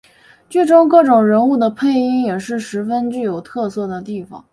剧中各种人物的配音也是十分具有特色的地方。